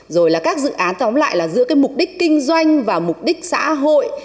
rồi là các dự án tóm lại là giữa cái mục đích kinh doanh và mục đích xã hội